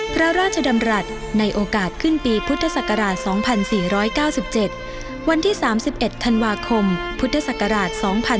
โปรดติดตามตอนต่อไป